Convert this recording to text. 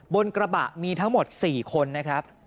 บนกระบะมีทั้งหมด๔คนนะครับ